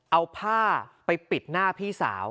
เอาผ้าไปปิดหน้าพี่สาว